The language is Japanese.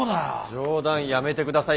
冗談やめてください！